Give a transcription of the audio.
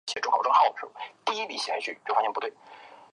羽田机场线